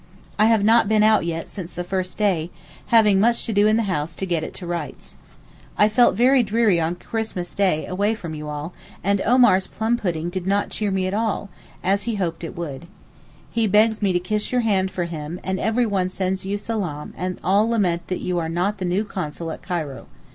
I have not been out yet since the first day, having much to do in the house to get to rights. I felt very dreary on Christmas day away from you all, and Omar's plum pudding did not cheer me at all, as he hoped it would. He begs me to kiss your hand for him, and every one sends you salaam, and all lament that you are not the new Consul at Cairo.